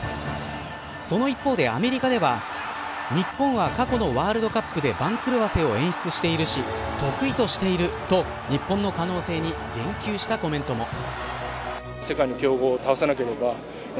その一方で、アメリカでは日本は過去のワールドカップで番狂わせを演出しているし得意としていると日本の可能性に言及したコメントも。